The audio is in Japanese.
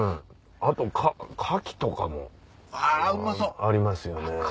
あと牡蠣とかもありますよね。